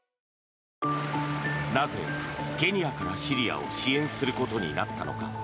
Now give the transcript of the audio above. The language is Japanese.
なぜ、ケニアからシリアを支援することになったのか。